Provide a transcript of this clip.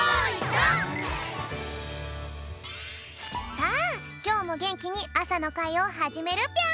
さあきょうもげんきにあさのかいをはじめるぴょん。